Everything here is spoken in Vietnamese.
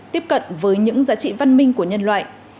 tiếp cận với những giá trị văn minh của nhân loại